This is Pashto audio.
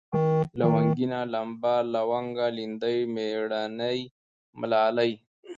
لونگينه ، لمبه ، لونگه ، ليندۍ ، مېړنۍ ، ملالۍ